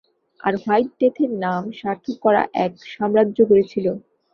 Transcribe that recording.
আর white ডেথের নাম স্বার্থক করা এক সাম্রাজ্য গড়েছিল।